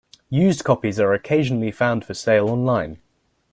Used copies are occasionally found for sale online.